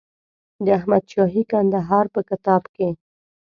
د احمدشاهي کندهار په کتاب کې.